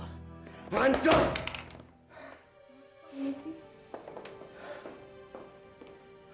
apa ini sih